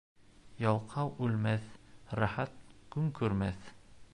Ялҡау үлмәҫ, рәхәт көн күрмәҫ.